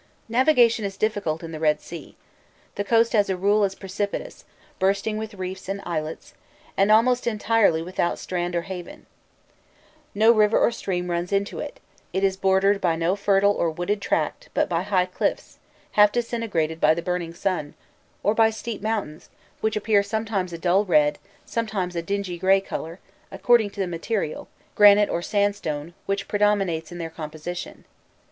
Navigation is difficult in the Red Sea. The coast as a rule is precipitous, bristling with reefs and islets, and almost entirely without strand or haven. No river or stream runs into it; it is bordered by no fertile or wooded tract, but by high cliffs, half disintegrated by the burning sun, or by steep mountains, which appear sometimes a dull red, sometimes a dingy grey colour, according to the material granite or sandstone which predominates in their composition.